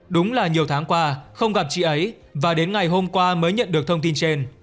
đúng là nhiều tháng qua không gặp chị ấy và đến ngày hôm qua mới nhận được thông tin trên